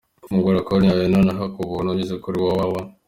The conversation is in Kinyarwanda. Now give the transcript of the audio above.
Fungura konti yawe nonaha ku buntu, unyuze kuri www.